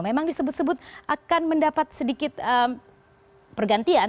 memang disebut sebut akan mendapat sedikit pergantian